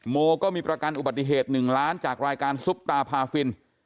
โมก็มีประกันอุบัติเหตุ๑ล้านจากรายการซุปตาพาฟิน